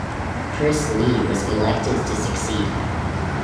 Chris Lee was elected to succeed him.